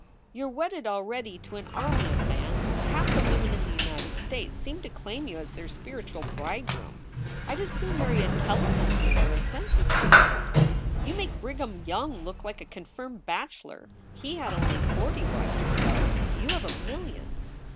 You re wedded already to an army of fans. Half the women in the United States seem to claim you as their spiritual bridegroom. I d as soon marry a telephone booth or a census report. You make Brigharn Young look like a confirmed bachelor; he had only forty wives or so. You have a million."